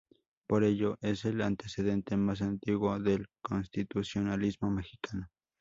Por ello, es el antecedente más antiguo del constitucionalismo mexicano.